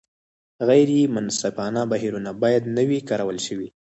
غیر منصفانه بهیرونه باید نه وي کارول شوي.